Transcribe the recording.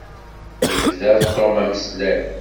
Yebda Tom ameslay.